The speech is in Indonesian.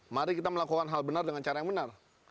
mari kita melakukan hal benar dengan cara yang benar